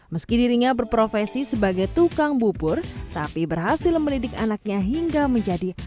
meski dirinya berprofesi sebagai tukang bubur tapi berhasil mendidik anaknya hingga menjadi